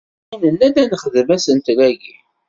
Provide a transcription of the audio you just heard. Ihi nenna-d, ad nexdem asentel-agi.